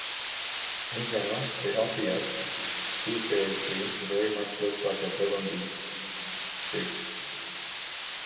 In general, the Otaheite gooseberry tree very much looks like the bilimbi tree.